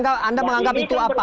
ya jadi anda menganggap itu apa